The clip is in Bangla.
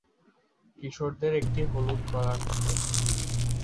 কিশোরদের একটি হলুদ কলার থাকে।